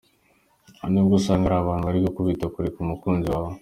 Hari n’ubwo usanga hari abantu bari kuguhatira kureka umukunzi wawe.